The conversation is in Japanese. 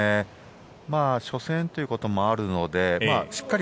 初戦ということもあるのでしっかり